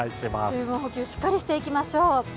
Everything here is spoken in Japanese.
水分補給しっかりしていきましょう。